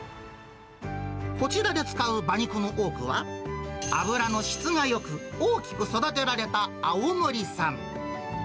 こちらで使う馬肉の多くは、脂の質がよく、大きく育てられた青森産。